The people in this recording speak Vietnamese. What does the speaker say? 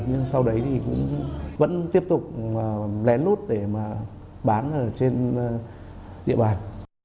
nhưng sau đấy thì cũng vẫn tiếp tục lén lút để mà bán ở trên địa bàn